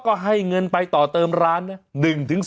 ก็ให้เงินไปต่อเติมร้านนะ